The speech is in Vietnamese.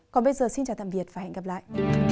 còn bây giờ xin chào tạm biệt và hẹn gặp lại